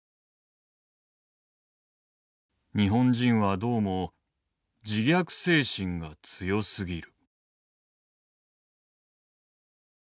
「日本人はどうも自虐精神が強すぎる」。